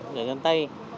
nhà nhân tây